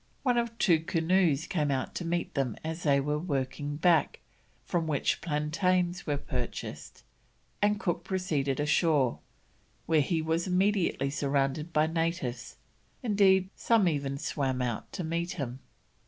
One or two canoes came out to meet them as they were working back, from which plantains were purchased, and Cook proceeded ashore, where he was immediately surrounded by natives; indeed, some even swam out to meet him.